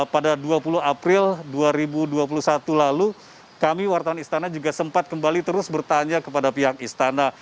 pada dua puluh april dua ribu dua puluh satu lalu kami wartawan istana juga sempat kembali terus bertanya kepada pihak istana